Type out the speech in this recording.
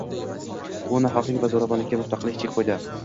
Bu nohaqlik va zo‘ravonlikka mustaqillik chek qo‘ydi